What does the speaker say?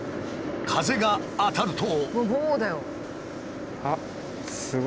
風が当たると。